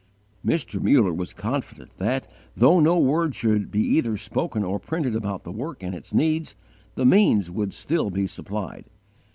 Mr. Muller was confident that, though no word should be either spoken or printed about the work and its needs, the means would still be supplied.